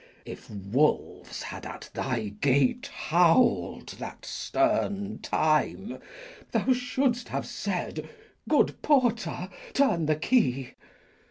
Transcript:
If wolves had at thy gate howl'd that stern time, Thou shouldst have said, 'Good porter, turn the key.'